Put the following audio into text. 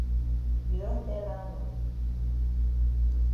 You don tell landlord?